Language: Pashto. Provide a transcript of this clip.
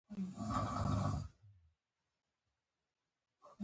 د حج لارښوونکو ته ښايي.